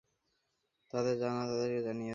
তারা তাদের জানা কথা তাকে জানিয়ে দেন।